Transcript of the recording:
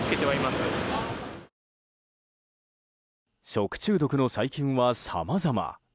食中毒の細菌はさまざま。